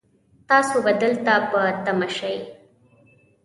تاسو به دلته په تمه شئ